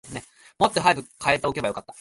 もっと早く替えておけばよかった